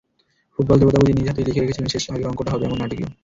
ফুটবল-দেবতা বুঝি নিজ হাতেই লিখে রেখেছিলেন শেষের আগের অঙ্কটা হবে এমন নাটকীয়।